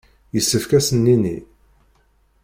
Yessefk ad sen-nini.